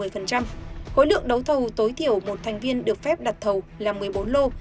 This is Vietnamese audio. khối lượng đấu thầu tối thiểu một thành viên được phép đặt thầu là một mươi bốn lô